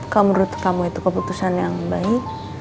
kalau menurut kamu itu keputusan yang baik